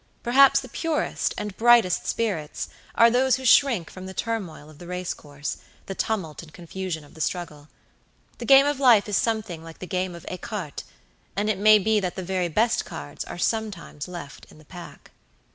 Perhaps the purest and brightest spirits are those who shrink from the turmoil of the race coursethe tumult and confusion of the struggle. The game of life is something like the game of écarte, and it may be that the very best cards are sometimes left in the pack.